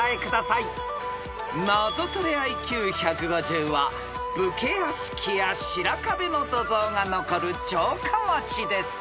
［ナゾトレＩＱ１５０は武家屋敷や白壁の土蔵が残る城下町です］